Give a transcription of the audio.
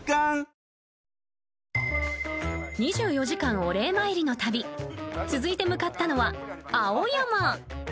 ２４時間お礼参りの旅続いて向かったのは青山。